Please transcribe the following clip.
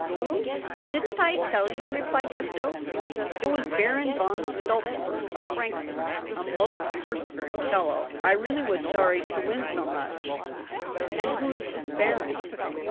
" Who ? Didn't I tell you }" replied Gaston. " It was Baron von Stultzburg, of Frankfort, a most persevering fellow. I really was sorry to \sin so much." " And who is this baron